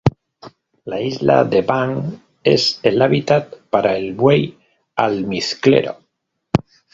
La isla de Banks es el hábitat para el buey almizclero.